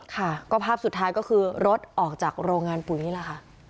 ค่ะก็ภาพสุดท้ายก็คือรถออกจากโรงงานปุ๋ยนี่แหละค่ะ